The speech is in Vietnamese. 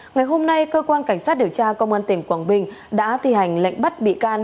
ngày hôm nay cơ quan cảnh sát điều tra công an tỉnh quảng bình đã thi hành lệnh bắt bị can